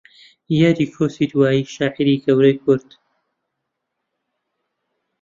یادی کۆچی داوی شاعیری گەورەی کورد